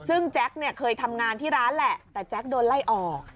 ซึ่งแจ๊คเนี่ยเคยทำงานที่ร้านแหละแต่แจ๊คโดนไล่ออก